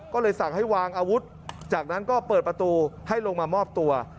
ก็เลยสั่งให้วางอาวุธจากนั้นก็เปิดประตูให้ลงมามอบตัว